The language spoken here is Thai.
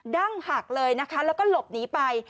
ดั้งหักเลยนะคะแล้วก็หลบหนีไป